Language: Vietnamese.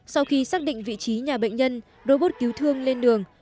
sau khi xác định vị trí nhà bệnh nhân robot cứu thương lên đường